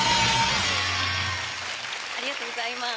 ありがとうございます。